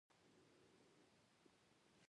سهار د یادونو تازه کول دي.